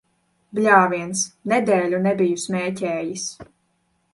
Bļāviens! Nedēļu nebiju smēķējis.